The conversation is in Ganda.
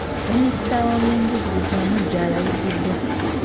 Minisita w’ebyenjigiriza omuggya alayiziddwa.